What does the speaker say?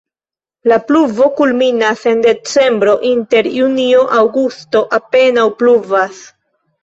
La pluvo kulminas en decembro, inter junio-aŭgusto apenaŭ pluvas.